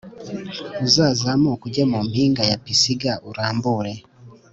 Uzazamuke ujye mu mpinga ya Pisiga urambure